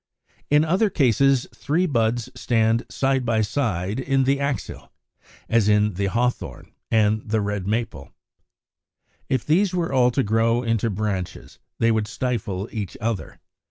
In other cases three buds stand side by side in the axil, as in the Hawthorn, and the Red Maple (Fig. 79.) If these were all to grow into branches, they would stifle each other.